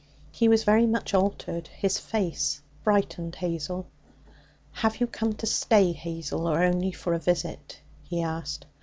He was very much altered. His face frightened Hazel. 'Have you come to stay, Hazel, or only for a visit?' he asked.